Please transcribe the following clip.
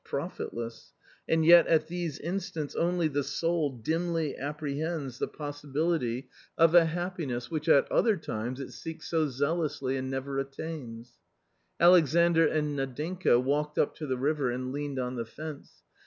profitless, and yet at these instants only the soul dimly apprehends the possibility 94 A COMMON STORY of a happiness which at other times it seeks so zealously and never attains. Alexandr and Nadinka walked up to the river and leaned on the fence.